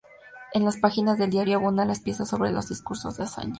En las páginas del diario abundan las piezas sobre los discursos de Azaña.